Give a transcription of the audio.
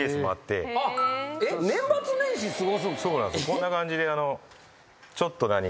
こんな感じでちょっと何。